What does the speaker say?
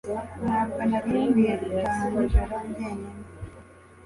Ntabwo nari nkwiye gutaha nijoro jyenyine